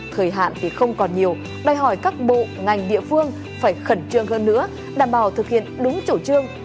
thời hạn thì không còn nhiều đòi hỏi các bộ ngành địa phương phải khẩn trương hơn nữa đảm bảo thực hiện đúng chủ trương